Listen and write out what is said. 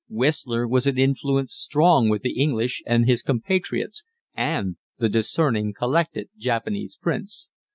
Whistler was an influence strong with the English and his compatriots, and the discerning collected Japanese prints.